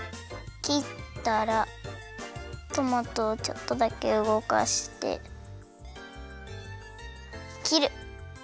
トマトをちょっとだけうごかしてきる！